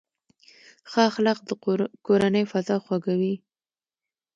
ښه اخلاق د کورنۍ فضا خوږوي.